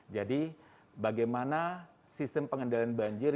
jadi bagaimana sistem pengendalian banjir